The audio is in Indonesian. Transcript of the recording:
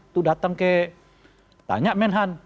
itu datang ke tanya menhan